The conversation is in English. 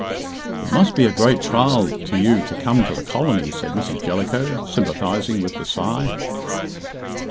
"It must be a great trial to you to come to the colony," said Mrs. Jellicoe, sympathizing with the sigh.